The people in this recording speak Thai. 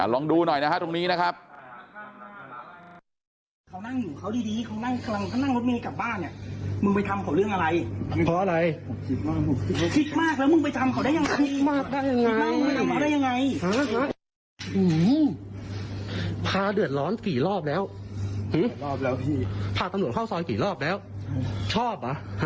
ลองดูหน่อยนะฮะตรงนี้นะครับ